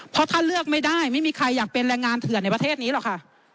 เพราะถ้าเลือกไม่ได้ไม่มีใครอยากเป็นแรงงานเถื่อนในประเทศนี้หรอกค่ะ